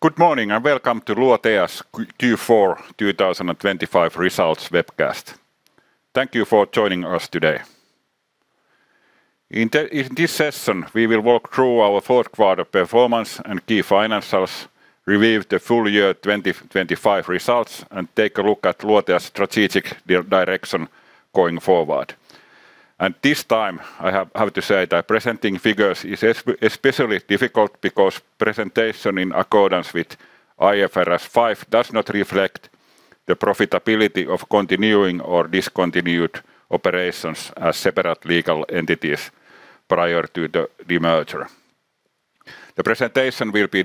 Good morning, and welcome to Luotea's Q4 2025 Results Webcast. Thank you for joining us today. In this session, we will walk through our fourth quarter performance and key financials, review the full year 2025 results, and take a look at Luotea's strategic direction going forward. This time, I have to say that presenting figures is especially difficult because presentation in accordance with IFRS 5 does not reflect the profitability of continuing or discontinued operations as separate legal entities prior to the merger. The presentation will be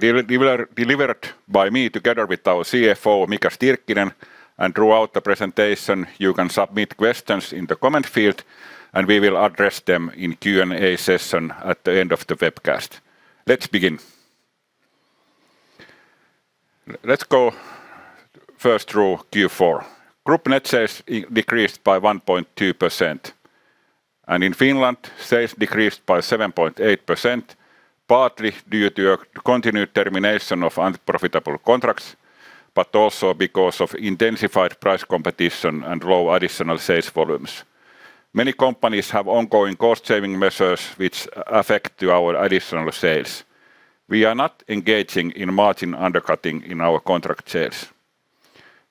delivered by me together with our CFO, Mika Stirkkinen, and throughout the presentation, you can submit questions in the comment field, and we will address them in Q&A session at the end of the webcast. Let's begin. Let's go first through Q4. Group net sales decreased by 1.2%. In Finland, sales decreased by 7.8%, partly due to a continued termination of unprofitable contracts, but also because of intensified price competition and low additional sales volumes. Many companies have ongoing cost-saving measures which affect to our additional sales. We are not engaging in margin undercutting in our contract sales.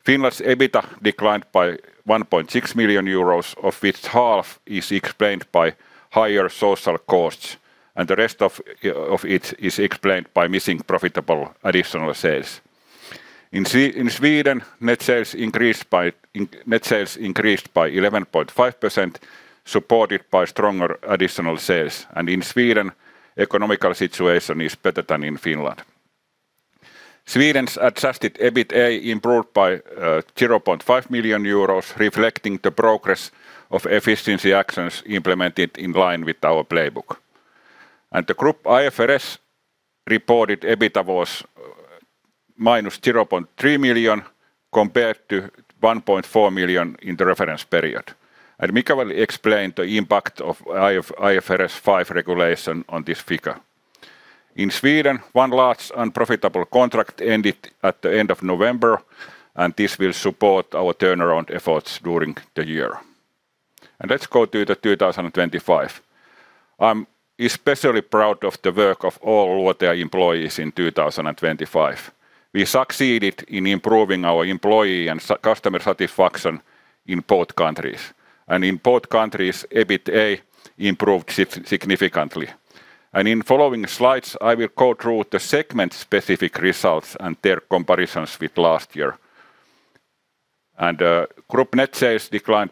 Finland's EBITDA declined by 1.6 million euros, of which half is explained by higher social costs, and the rest of it is explained by missing profitable additional sales. In Sweden, Net sales increased by 11.5%, supported by stronger additional sales. In Sweden, economical situation is better than in Finland. Sweden's Adjusted EBITDA improved by 0.5 million euros, reflecting the progress of efficiency actions implemented in line with our playbook. The group IFRS reported EBITDA was -0.3 million, compared to 1.4 million in the reference period. Mika will explain the impact of IFRS 5 regulation on this figure. In Sweden, one large unprofitable contract ended at the end of November, and this will support our turnaround efforts during the year. Let's go to the 2025. I'm especially proud of the work of all Luotea's employees in 2025. We succeeded in improving our employee and customer satisfaction in both countries. In both countries, EBITA improved significantly. In following slides, I will go through the segment-specific results and their comparisons with last year. Group net sales declined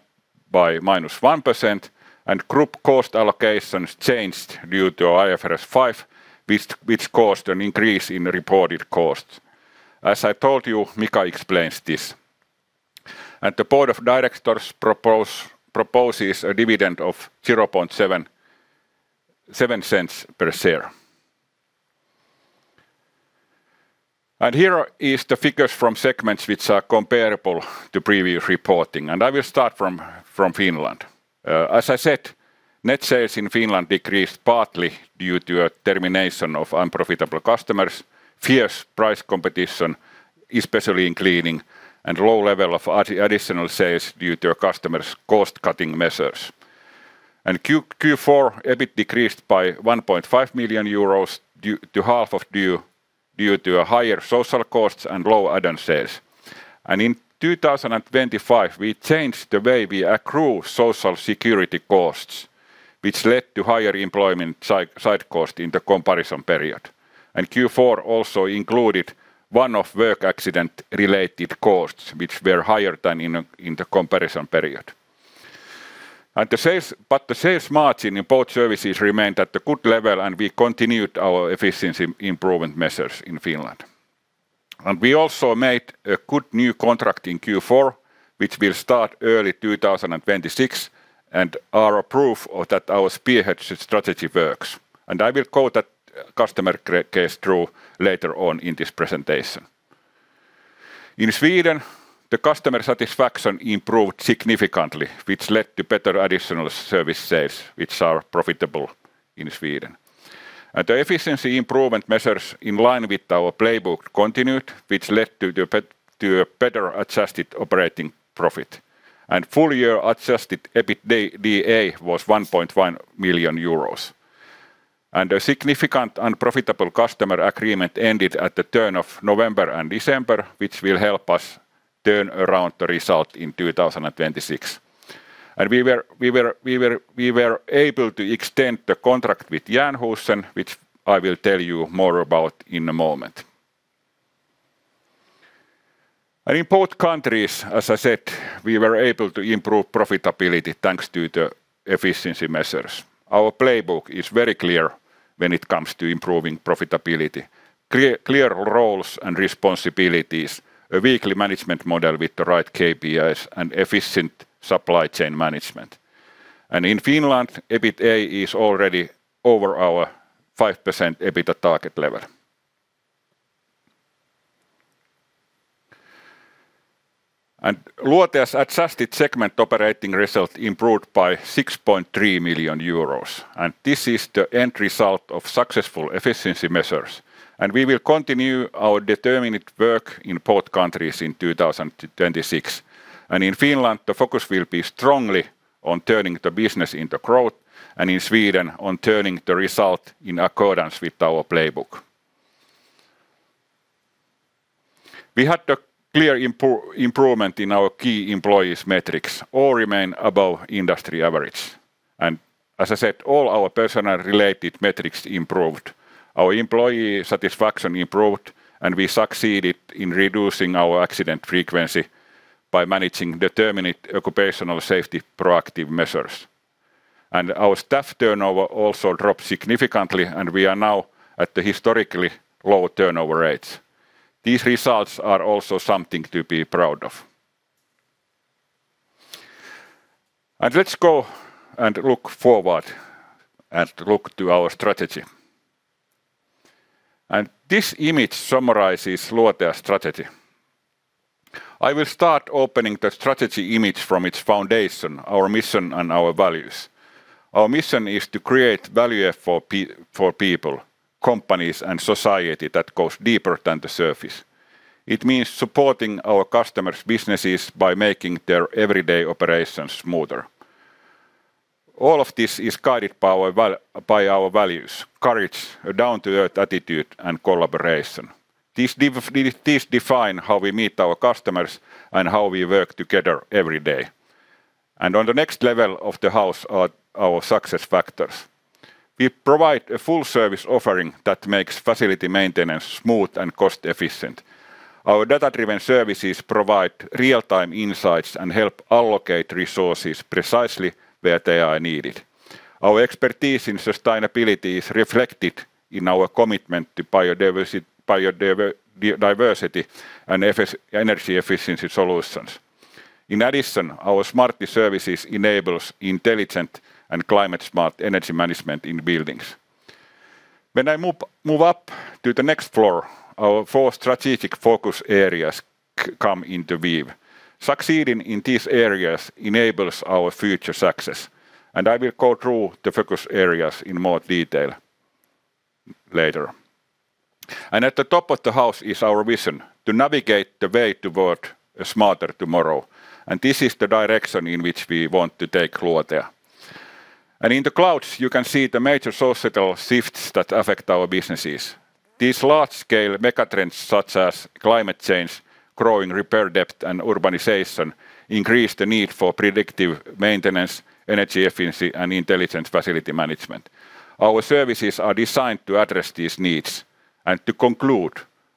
by -1%, and group cost allocations changed due to IFRS 5, which caused an increase in reported costs. As I told you, Mika explains this. The board of directors proposes a dividend of 0.77 per share. Here is the figures from segments which are comparable to previous reporting, I will start from Finland. As I said, net sales in Finland decreased partly due to a termination of unprofitable customers, fierce price competition, especially in cleaning, and low level of additional sales due to our customers' cost-cutting measures. Q4 EBIT decreased by 1.5 million euros due to a higher social costs and low add-on sales. In 2025, we changed the way we accrue social security costs, which led to higher employment side cost in the comparison period. Q4 also included one-off work accident-related costs, which were higher than in the comparison period. The sales margin in both services remained at a good level, and we continued our efficiency improvement measures in Finland. We also made a good new contract in Q4, which will start early 2026, and are a proof of that our spearhead strategy works. I will go that customer case through later on in this presentation. In Sweden, the customer satisfaction improved significantly, which led to better additional service sales, which are profitable in Sweden. The efficiency improvement measures in line with our playbook continued, which led to a better adjusted operating profit. Full year Adjusted EBITDA was EUR 1.1 million. A significant unprofitable customer agreement ended at the turn of November and December, which will help us turn around the result in 2026. We were able to extend the contract with Jernhusen, which I will tell you more about in a moment. In both countries, as I said, we were able to improve profitability, thanks to the efficiency measures. Our playbook is very clear when it comes to improving profitability, clear roles and responsibilities, a weekly management model with the right KPIs, and efficient supply chain management. In Finland, EBITA is already over our 5% EBITDA target level. Luotea has adjusted segment operating result improved by 6.3 million euros, and this is the end result of successful efficiency measures. We will continue our determinate work in both countries in 2026. In Finland, the focus will be strongly on turning the business into growth, and in Sweden, on turning the result in accordance with our playbook. We had a clear improvement in our key employees metrics, all remain above industry average. As I said, all our personnel-related metrics improved. Our employee satisfaction improved, and we succeeded in reducing our accident frequency by managing determinate occupational safety proactive measures. Our staff turnover also dropped significantly, and we are now at the historically low turnover rates. These results are also something to be proud of. Let's go and look forward, and look to our strategy. This image summarizes Luotea strategy. I will start opening the strategy image from its foundation, our mission, and our values. Our mission is to create value for people, companies, and society that goes deeper than the surface. It means supporting our customers' businesses by making their everyday operations smoother. All of this is guided by our values, courage, a down-to-earth attitude, and collaboration. These define how we meet our customers and how we work together every day. On the next level of the house are our success factors. We provide a full service offering that makes facility maintenance smooth and cost-efficient. Our data-driven services provide real-time insights and help allocate resources precisely where they are needed. Our expertise in sustainability is reflected in our commitment to diversity and energy efficiency solutions. In addition, our smart services enables intelligent and climate-smart energy management in buildings. When I move up to the next floor, our 4 strategic focus areas come into view. Succeeding in these areas enables our future success. I will go through the focus areas in more detail later. At the top of the house is our vision: to navigate the way toward a smarter tomorrow. This is the direction in which we want to take Luotea. In the clouds, you can see the major societal shifts that affect our businesses. These large-scale megatrends, such as climate change, growing repair depth, and urbanization, increase the need for predictive maintenance, energy efficiency, and intelligent facility management. Our services are designed to address these needs. To conclude,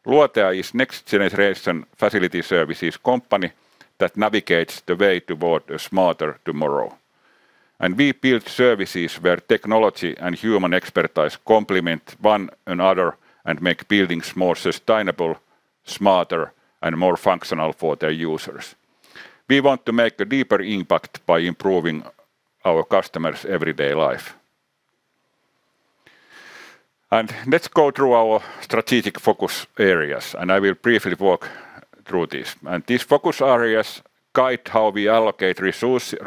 Luotea is next generation facility services company that navigates the way toward a smarter tomorrow. We build services where technology and human expertise complement one another and make buildings more sustainable, smarter, and more functional for their users. We want to make a deeper impact by improving our customers' everyday life. Let's go through our strategic focus areas, and I will briefly walk through this. These focus areas guide how we allocate resources,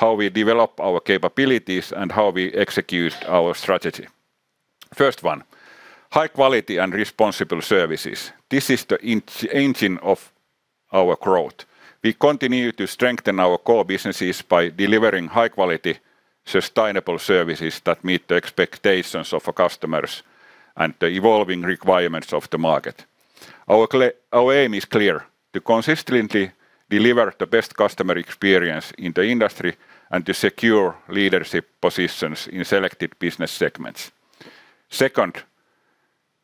how we develop our capabilities, and how we execute our strategy. First one, High Quality and Responsible Services. This is the engine of our growth. We continue to strengthen our core businesses by delivering high-quality, sustainable services that meet the expectations of our customers and the evolving requirements of the market. Our aim is clear: to consistently deliver the best customer experience in the industry and to secure leadership positions in selected business segments. Second,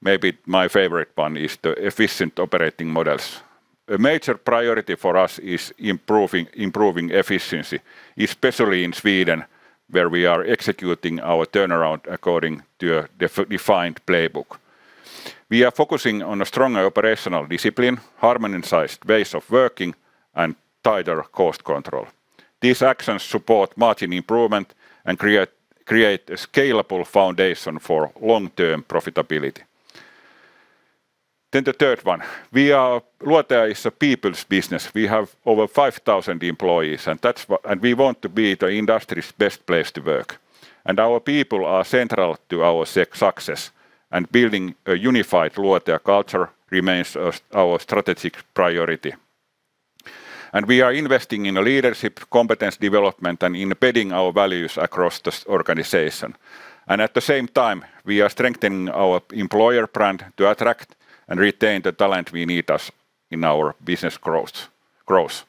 maybe my favorite one, is the Efficient Operating Models. A major priority for us is improving efficiency, especially in Sweden, where we are executing our turnaround according to a defined playbook. We are focusing on a stronger operational discipline, harmonized ways of working, and tighter cost control. These actions support margin improvement and create a scalable foundation for long-term profitability. The third one, Luotea is a people's business. We have over 5,000 employees, and we want to be the industry's best place to work. Our people are central to our success, and building a unified Luotea culture remains our strategic priority. We are investing in leadership, competence development, and embedding our values across this organization. At the same time, we are strengthening our employer brand to attract and retain the talent we need as in our business growth.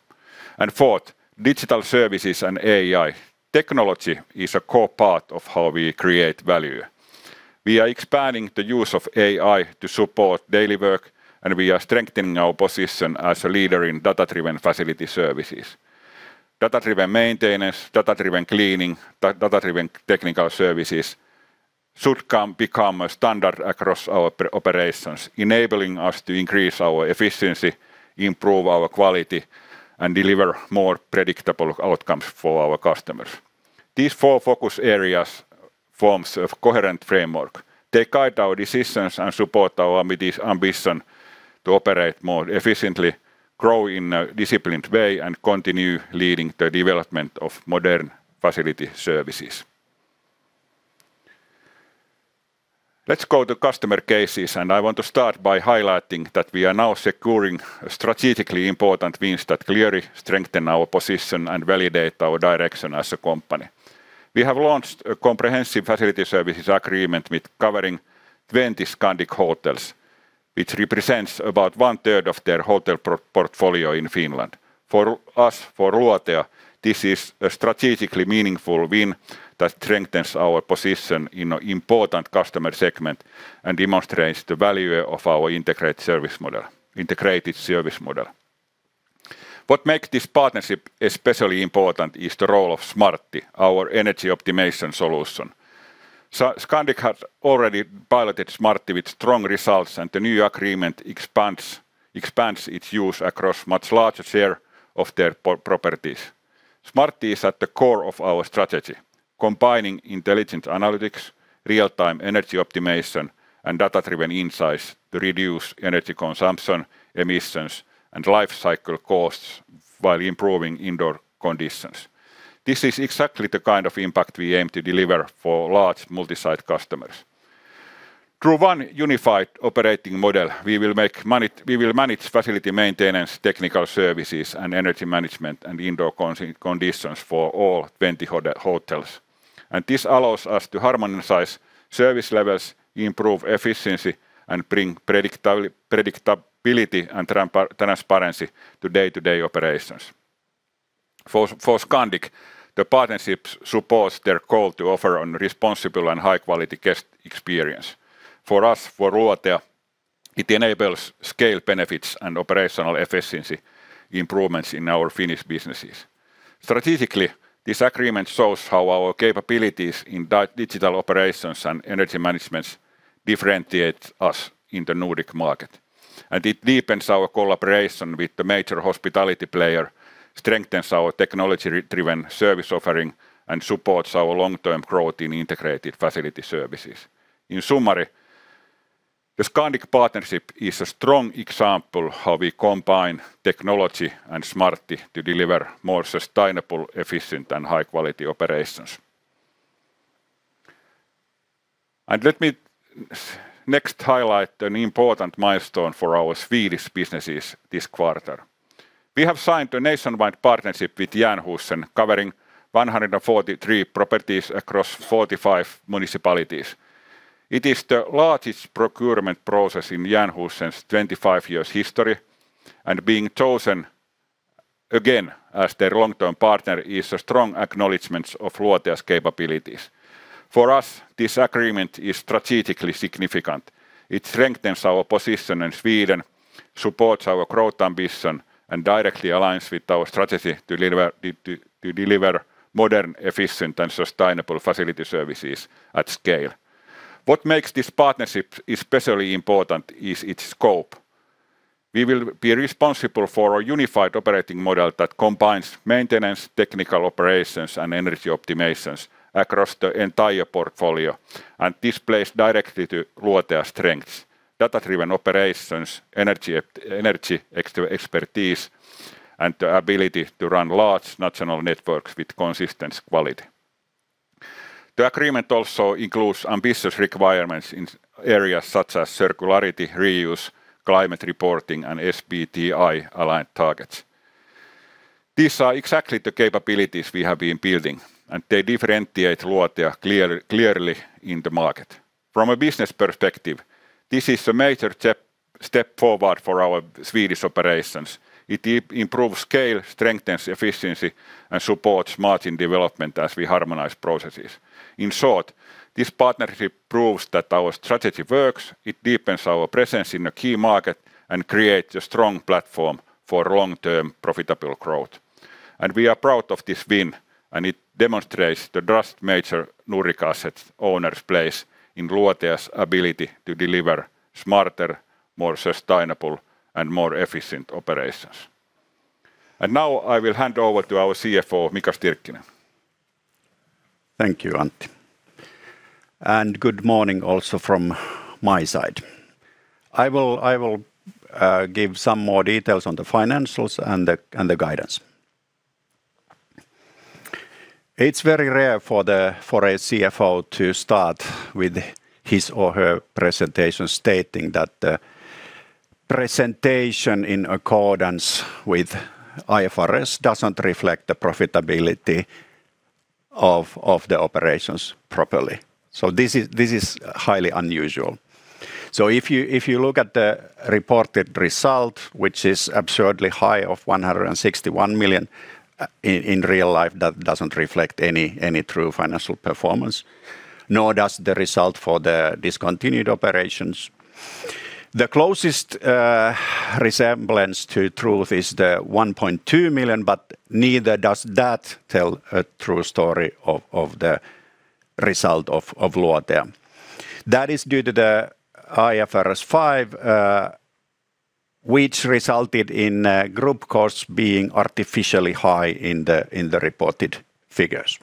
Fourth, digital services and AI. Technology is a core part of how we create value. We are expanding the use of AI to support daily work, and we are strengthening our position as a leader in data-driven facility services. Data-driven maintenance, data-driven cleaning, data-driven technical services should become a standard across our operations, enabling us to increase our efficiency, improve our quality, and deliver more predictable outcomes for our customers. These four focus areas forms a coherent framework. They guide our decisions and support our ambition to operate more efficiently, grow in a disciplined way, and continue leading the development of modern facility services. Let's go to customer cases, and I want to start by highlighting that we are now securing strategically important wins that clearly strengthen our position and validate our direction as a company. We have launched a comprehensive facility services agreement with covering 20 Scandic hotels, which represents about one-third of their hotel portfolio in Finland. For us, for Luotea, this is a strategically meaningful win that strengthens our position in an important customer segment and demonstrates the value of our integrated service model. What make this partnership especially important is the role of Smartti, our energy optimization solution. Scandic had already piloted Smartti with strong results, and the new agreement expands its use across much larger share of their properties. Smartti is at the core of our strategy, combining intelligent analytics, real-time energy optimization, and data-driven insights to reduce energy consumption, emissions, and life cycle costs while improving indoor conditions. This is exactly the kind of impact we aim to deliver for large multi-site customers. Through one unified operating model, we will manage facility maintenance, technical services, and energy management, and indoor conditions for all 20 hotels. This allows us to harmonize service levels, improve efficiency, and bring predictability and transparency to day-to-day operations. For Scandic, the partnership supports their goal to offer a responsible and high-quality guest experience. For us, for Luotea, it enables scale benefits and operational efficiency improvements in our Finnish businesses. Strategically, this agreement shows how our capabilities in digital operations and energy managements differentiate us in the Nordic market, and it deepens our collaboration with the major hospitality player, strengthens our technology-driven service offering, and supports our long-term growth in integrated facility services. In summary, the Scandic partnership is a strong example how we combine technology and Smartti to deliver more sustainable, efficient, and high-quality operations. Let me next highlight an important milestone for our Swedish businesses this quarter. We have signed a nationwide partnership with Jernhusen, covering 143 properties across 45 municipalities. It is the largest procurement process in Jernhusen's 25 years history, and being chosen again as their long-term partner is a strong acknowledgment of Luotea's capabilities. For us, this agreement is strategically significant. It strengthens our position in Sweden, supports our growth ambition, and directly aligns with our strategy to deliver modern, efficient, and sustainable facility services at scale. What makes this partnership especially important is its scope. We will be responsible for a unified operating model that combines maintenance, technical operations, and energy optimizations across the entire portfolio, and this plays directly to Luotea's strengths: data-driven operations, energy expertise, and the ability to run large national networks with consistent quality. The agreement also includes ambitious requirements in areas such as circularity, reuse, climate reporting, and SBTi-aligned targets. These are exactly the capabilities we have been building, they differentiate Luotea clearly in the market. From a business perspective, this is a major step forward for our Swedish operations. It improves scale, strengthens efficiency, supports margin development as we harmonize processes. In short, this partnership proves that our strategy works, it deepens our presence in a key market, creates a strong platform for long-term profitable growth. We are proud of this win, it demonstrates the trust major Nordic asset owners place in Luotea's ability to deliver smarter, more sustainable, and more efficient operations. Now I will hand over to our CFO, Mika Stirkkinen. Thank you, Antti, and good morning also from my side. I will give some more details on the financials and the guidance. It's very rare for a CFO to start with his or her presentation stating that the presentation, in accordance with IFRS, doesn't reflect the profitability of the operations properly. This is highly unusual. If you look at the reported result, which is absurdly high of 161 million, in real life, that doesn't reflect any true financial performance, nor does the result for the discontinued operations. The closest resemblance to truth is the 1.2 million, neither does that tell a true story of the result of Luotea. That is due to the IFRS 5... which resulted in group costs being artificially high in the reported figures.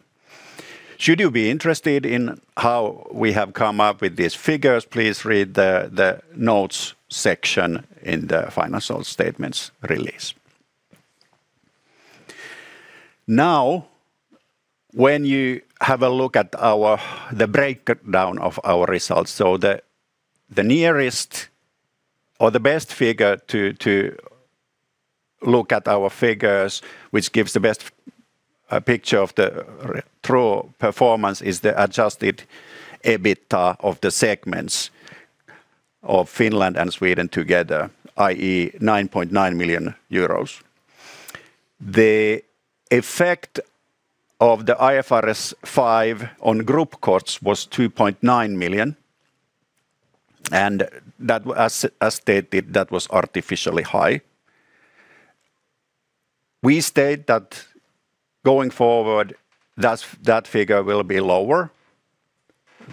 Should you be interested in how we have come up with these figures, please read the notes section in the financial statements release. When you have a look at the breakdown of our results, so the nearest or the best figure to look at our figures, which gives the best picture of the true performance, is the Adjusted EBITDA of the segments of Finland and Sweden together, i.e., 9.9 million euros. The effect of the IFRS 5 on group costs was 2.9 million, and that as stated, that was artificially high. We state that going forward, that figure will be lower.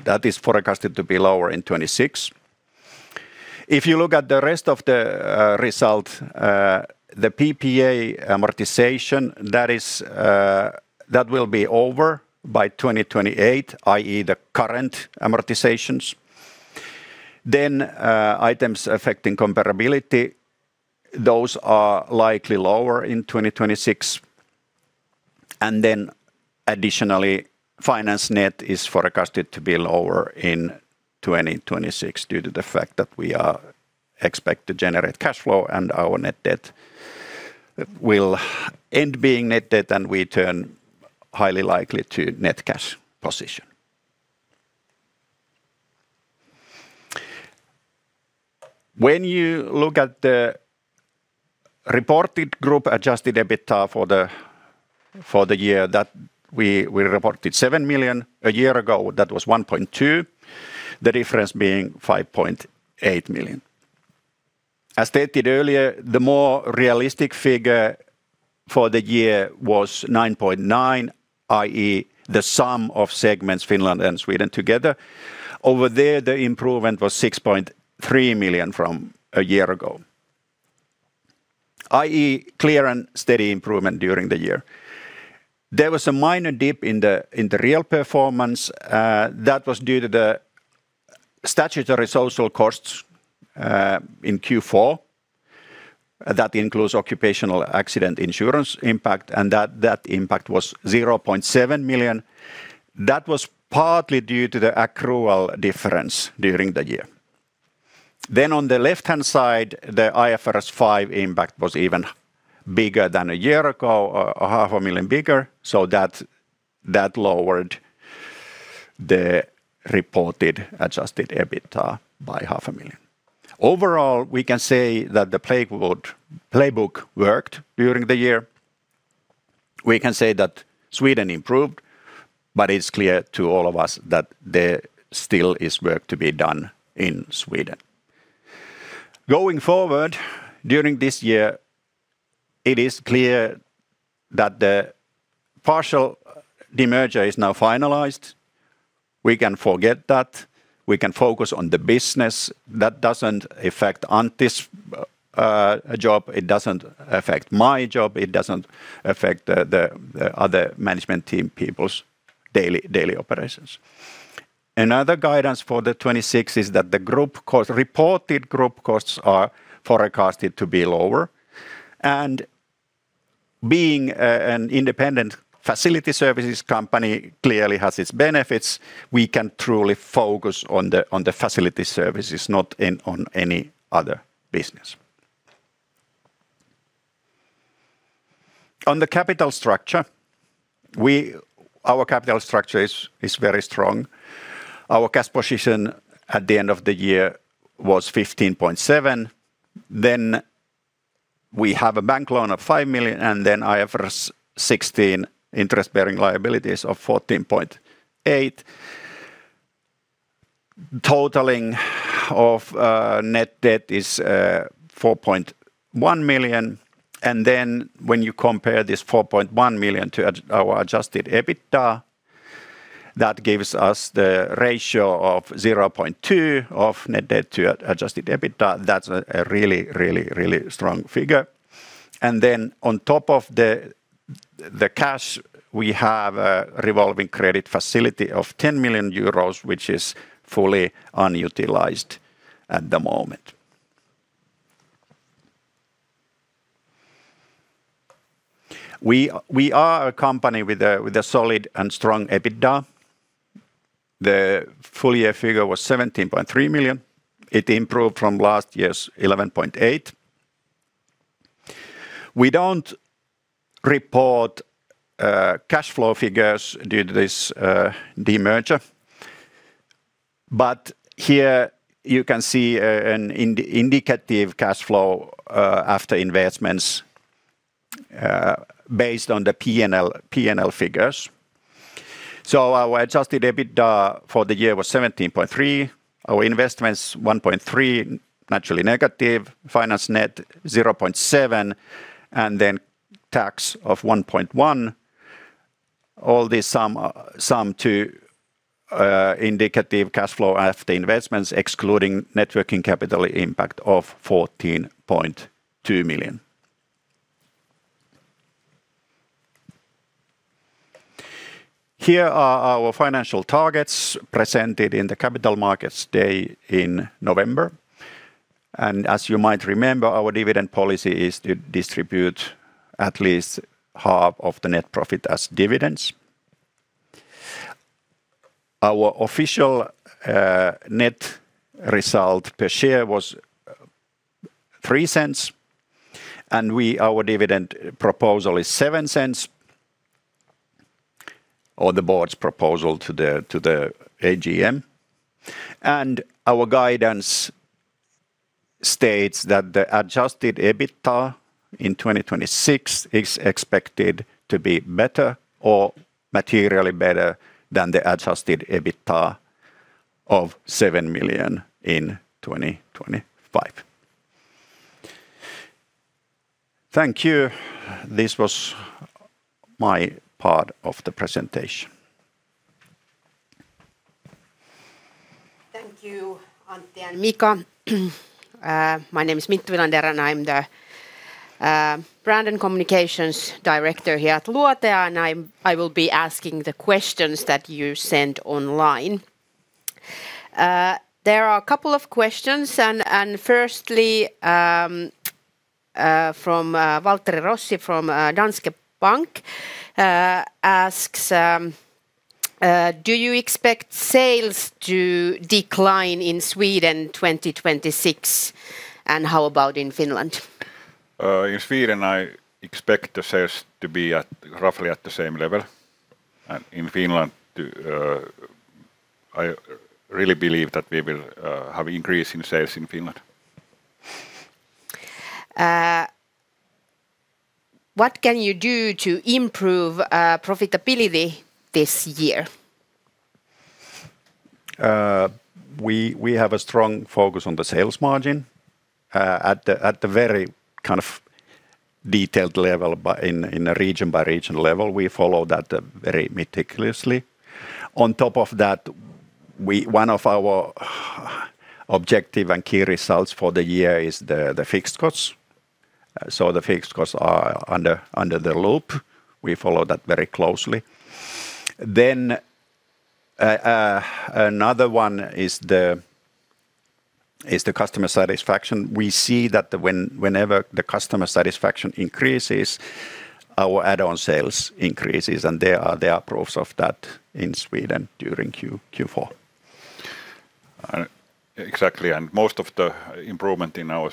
That is forecasted to be lower in 2026. If you look at the rest of the result, the PPA amortization, that will be over by 2028, i.e., the current amortizations. Items affecting comparability, those are likely lower in 2026. Additionally, finance net is forecasted to be lower in 2026, due to the fact that we are expect to generate cash flow, and our net debt will end being net debt, and we turn highly likely to net cash position. When you look at the reported group-Adjusted EBITDA for the year, that we reported 7 million. A year ago, that was 1.2 million, the difference being 5.8 million. As stated earlier, the more realistic figure for the year was 9.9 million, i.e., the sum of segments Finland and Sweden together. Over there, the improvement was 6.3 million from a year ago, i.e., clear and steady improvement during the year. There was a minor dip in the real performance, that was due to the statutory social costs in Q4. That includes occupational accident insurance impact, and that impact was 0.7 million. That was partly due to the accrual difference during the year. On the left-hand side, the IFRS 5 impact was even bigger than a year ago, a half a million bigger, so that lowered the reported Adjusted EBITDA by half a million. Overall, we can say that the playbook worked during the year. We can say that Sweden improved, it's clear to all of us that there still is work to be done in Sweden. Going forward, during this year, it is clear that the partial demerger is now finalized. We can forget that. We can focus on the business. That doesn't affect Antti's job. It doesn't affect my job. It doesn't affect the other management team people's daily operations. Another guidance for 2026 is that Reported group costs are forecasted to be lower. Being an independent facility services company clearly has its benefits. We can truly focus on the facility services, not in on any other business. On the capital structure, Our capital structure is very strong. Our cash position at the end of the year was 15.7. We have a bank loan of 5 million, IFRS 16 interest-bearing liabilities of 14.8. Totaling net debt is 4.1 million. When you compare this 4.1 million to our Adjusted EBITDA, that gives us the ratio of 0.2 of net debt to Adjusted EBITDA. That's a really, really, really strong figure. On top of the cash, we have a revolving credit facility of 10 million euros, which is fully unutilized at the moment. We are a company with a solid and strong EBITDA. The full-year figure was 17.3 million. It improved from last year's 11.8 million. We don't report cash flow figures due to this demerger, but here you can see an indicative cash flow after investments based on the P&L figures. Our Adjusted EBITDA for the year was 17.3 million. Our investments, 1.3 million, naturally negative. Finance net, 0.7, tax of 1.1. All this sum sum to indicative cash flow after investments, excluding net working capital impact of EUR 14.2 million. Here are our financial targets presented in the capital markets day in November. As you might remember, our dividend policy is to distribute at least half of the net profit as dividends. Our official net result per share was 0.03. Our dividend proposal is 0.07, or the board's proposal to the AGM. Our guidance states that the Adjusted EBITDA in 2026 is expected to be better or materially better than the Adjusted EBITDA of 7 million in 2025. Thank you. This was my part of the presentation. Thank you, Antti and Mika. My name is Minttu Vilander, and I'm the brand and communications director here at Luotea, and I will be asking the questions that you sent online. There are a couple of questions, and firstly, from Waltteri Rossi from Danske Bank, asks, "Do you expect sales to decline in Sweden 2026, and how about in Finland? In Sweden, I expect the sales to be roughly at the same level. In Finland, I really believe that we will have increase in sales in Finland. What can you do to improve profitability this year? We have a strong focus on the sales margin. At the very kind of detailed level in a region-by-region level, we follow that very meticulously. On top of that, one of our objective and key results for the year is the fixed costs. The fixed costs are under the loop. We follow that very closely. Another one is the customer satisfaction. We see that whenever the customer satisfaction increases, our add-on sales increases, and there are proofs of that in Sweden during Q4. Exactly, most of the improvement in our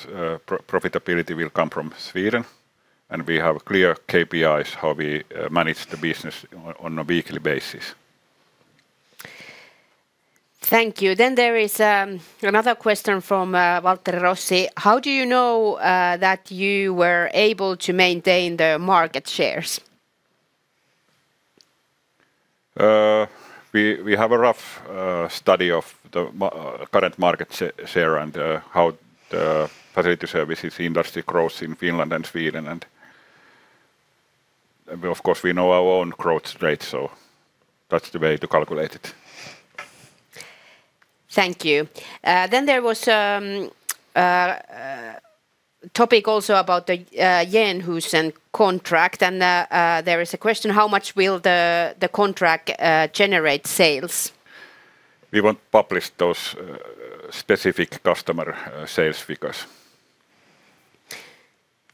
profitability will come from Sweden. We have clear KPIs how we manage the business on a weekly basis. Thank you. There is another question from Waltteri Rossi: "How do you know that you were able to maintain the market shares? We have a rough study of the current market share and how the facility services industry grows in Finland and Sweden, and of course, we know our own growth rate. That's the way to calculate it. Thank you. there was topic also about the Jernhusen contract, and there is a question: "How much will the contract generate sales? We won't publish those, specific customer, sales figures.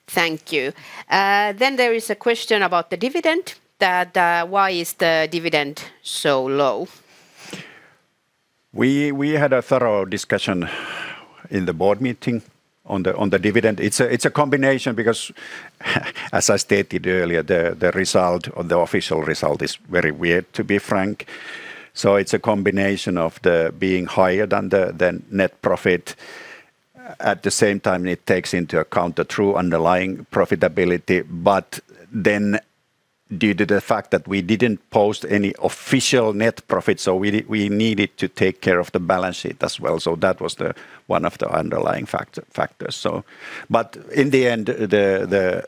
Thank you. There is a question about the dividend, that: "Why is the dividend so low? We had a thorough discussion in the board meeting on the dividend. It's a combination, because as I stated earlier, the result or the official result is very weird, to be frank. It's a combination of the being higher than the net profit. At the same time, it takes into account the true underlying profitability. Due to the fact that we didn't post any official net profit, we needed to take care of the balance sheet as well. That was one of the underlying factors. In the end, the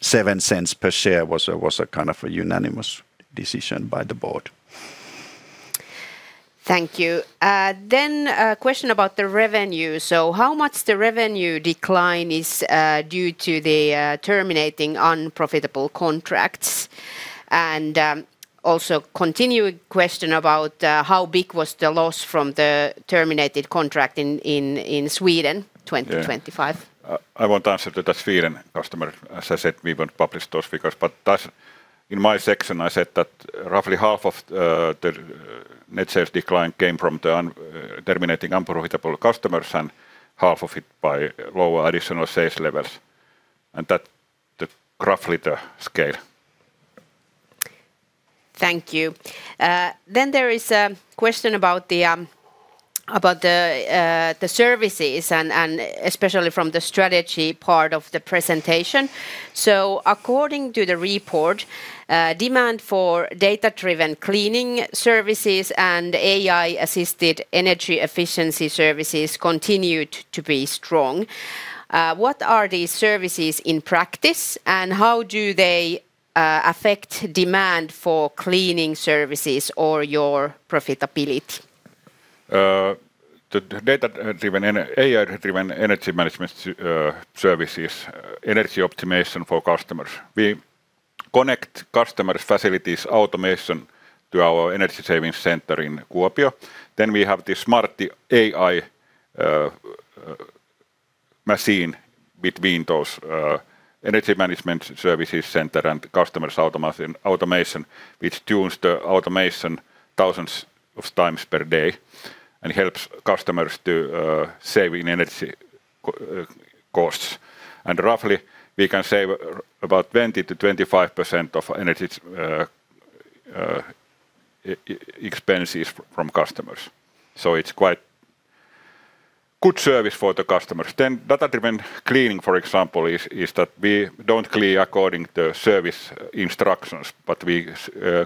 0.07 per share was a kind of a unanimous decision by the board. Thank you. A question about the revenue: "How much the revenue decline is due to the terminating unprofitable contracts?" Also continuing question about, "How big was the loss from the terminated contract in Sweden 2025? Yeah. I won't answer to the Sweden customer. As I said, we won't publish those figures. That, in my section, I said that roughly half of the net sales decline came from terminating unprofitable customers, and half of it by lower additional sales levels, and that, the roughly the scale. Thank you. There is a question about the services and, especially from the strategy part of the presentation. According to the report, demand for data-driven cleaning services and AI-assisted energy efficiency services continued to be strong. What are these services in practice, and how do they affect demand for cleaning services or your profitability? ... the data-driven and AI-driven energy management services, energy optimization for customers. We connect customers' facilities automation to our energy savings center in Kuopio. We have the smart AI machine between those energy management services center and customers automation, which tunes the automation thousands of times per day, and helps customers to save in energy costs. Roughly, we can save about 20%-25% of energy expenses from customers. It's quite good service for the customers. Data-driven cleaning, for example, is that we don't clean according to service instructions, but we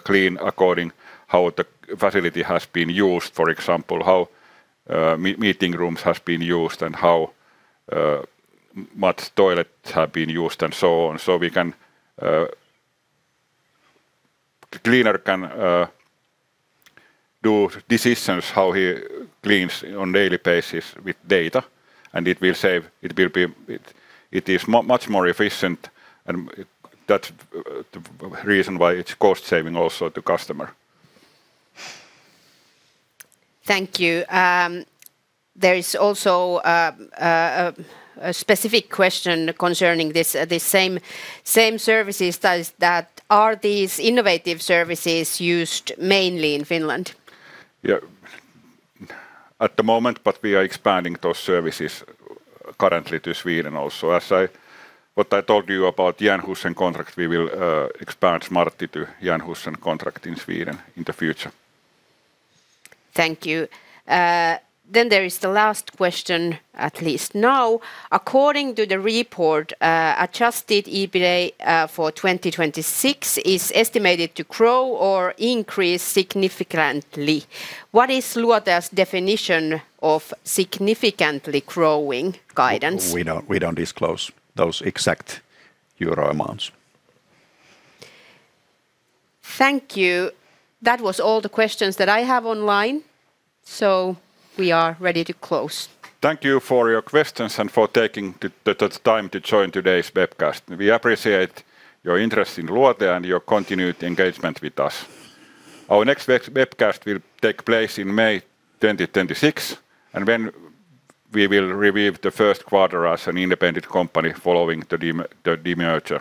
clean according how the facility has been used. For example, how meeting rooms has been used, and how much toilets have been used, and so on. We can... The cleaner can do decisions how he cleans on daily basis with data. It will be, it is much more efficient, that's the reason why it's cost-saving also to customer. Thank you. There is also a specific question concerning this same services. That is that, are these innovative services used mainly in Finland? Yeah. At the moment, we are expanding those services currently to Sweden also. As what I told you about Jernhusen contract, we will expand [Smartti] to Jernhusen contract in Sweden in the future. Thank you. There is the last question, at least now. According to the report, Adjusted EBITDA, for 2026 is estimated to grow or increase significantly. What is Luotea's definition of significantly growing guidance? We don't disclose those exact euro amounts. Thank you. That was all the questions that I have online, so we are ready to close. Thank you for your questions and for taking the time to join today's webcast. We appreciate your interest in Luotea and your continued engagement with us. Our next webcast will take place in May 2026, and when we will review the first quarter as an independent company following the demerger.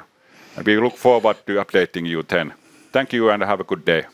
We look forward to updating you then. Thank you, and have a good day.